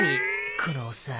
このおっさん。